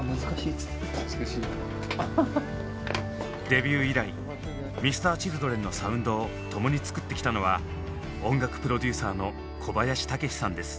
デビュー以来Ｍｒ．Ｃｈｉｌｄｒｅｎのサウンドを共に作ってきたのは音楽プロデューサーの小林武史さんです。